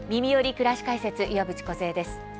くらし解説」岩渕梢です。